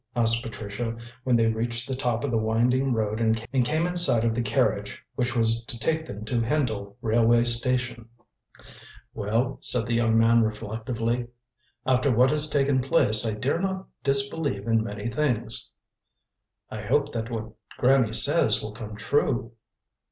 asked Patricia, when they reached the top of the winding road and came in sight of the carriage which was to take them to Hendle railway station. "Well," said the young man reflectively, "after what has taken place I dare not disbelieve in many things." "I hope that what Granny says will come true."